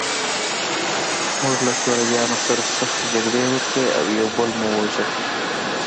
موږ له شورویانو سره سختې جګړې وکړې او یو بل مو وژل